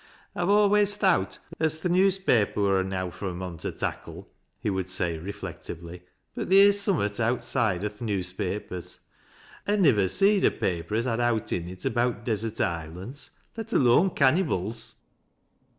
" I've alius thowt as th' newspaper wur enow fur a moii to tackle," he would say, reflectively ;" but theer's sum ■nat outside o' th' newspapers. I nivver seed a paper as had owt in it about desert islands, let alone cannybles."